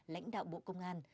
lãnh đạo bộ công an